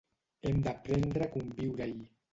Hem d’aprendre a conviure-hi.